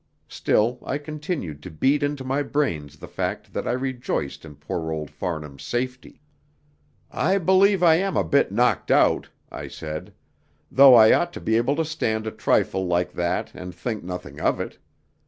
Still, I continued to beat into my brains the fact that I rejoiced in poor old Farnham's safety. "I believe I am a bit knocked out," I said, "though I ought to be able to stand a trifle like that and think nothing of it.